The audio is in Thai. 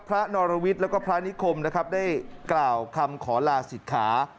พระนรวิตและพระนิคมได้กล่าวคำขอลาศิษย์ขา